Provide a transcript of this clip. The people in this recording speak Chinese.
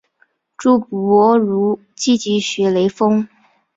朱伯儒积极学雷锋。